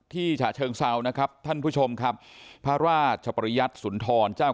ฉะเชิงเซานะครับท่านผู้ชมครับพระราชปริยัติสุนทรเจ้า